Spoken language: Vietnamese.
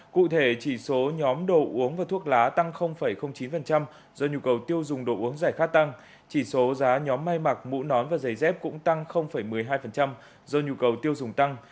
cụ thể chỉ số nhóm đồ uống và thuốc lá tăng chín do nhu cầu tiêu dùng đồ uống giải khát tăng chỉ số giá nhóm mai mặc mũ nón và giày dép cũng tăng một mươi hai do nhu cầu tiêu dùng tăng